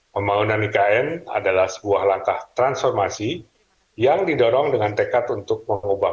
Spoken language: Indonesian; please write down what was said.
pembangunan ikn adalah sebuah langkah transformasi yang didorong dengan tekad untuk mengubah